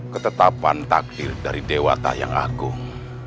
ketetapan takdir dari dewa tayang agung